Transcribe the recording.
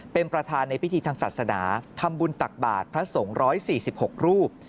เป็นประธานในพิธีทางศาสนาทำบุญตักบาทพระสงฆ์๑๔๖รูป